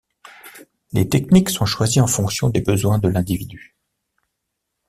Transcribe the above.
Les techniques sont choisies en fonction des besoins de l'individu.